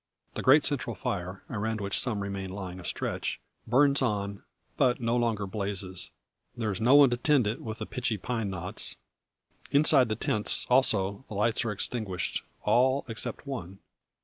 The great central fire, around which some remain lying astretch, burns on, but no longer blazes. There is no one to tend it with the pitchy pine knots. Inside the tents also, the lights are extinguished all except one.